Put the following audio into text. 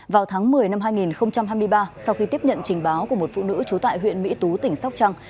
vào tháng một mươi năm hai nghìn hai mươi ba sau khi tiếp nhận trình báo của một phụ nữ trú tại huyện mỹ tú tỉnh sóc trăng